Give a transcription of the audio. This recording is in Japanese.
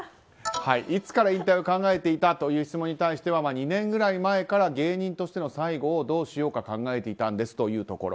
いつから引退を考えていた？という質問に対しては２年ぐらい前から芸人としての最後をどうしようか考えていたんですというところ。